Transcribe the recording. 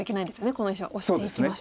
この石はオシていきました。